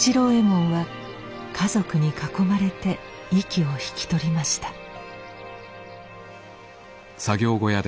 右衛門は家族に囲まれて息を引き取りました。